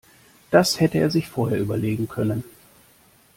Das hätte er sich vorher überlegen können.